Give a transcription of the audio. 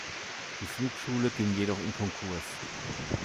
Die Flugschule ging jedoch in Konkurs.